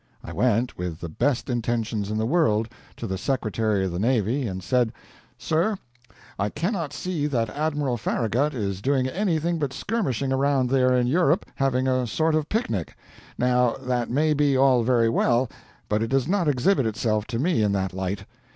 I went, with the best intentions in the world, to the Secretary of the Navy, and said: "Sir, I cannot see that Admiral Farragut is doing anything but skirmishing around there in Europe, having a sort of picnic. Now, that may be all very well, but it does not exhibit itself to me in that light.